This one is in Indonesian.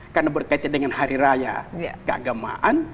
karena berkaitan dengan hari raya keagamaan